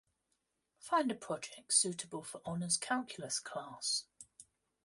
Find a project suitable for Honors Calculus class